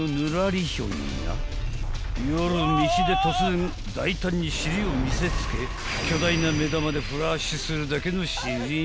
［夜道で突然大胆に尻を見せつけ巨大な目玉でフラッシュするだけの］